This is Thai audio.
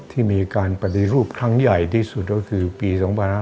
ที่มีการปฏิรูปครั้งใหญ่ที่สุดก็คือปี๒๕๕๙